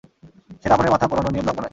সে রাবণের মাথা পোড়ানো নিয়ে ব্লগ বানায়।